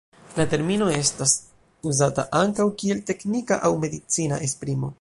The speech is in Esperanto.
La termino estas uzata ankaŭ kiel teknika aŭ medicina esprimo.